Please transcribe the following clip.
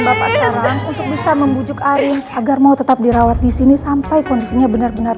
bapak sekarang untuk bisa membujuk air agar mau tetap dirawat di sini sampai kondisinya benar benar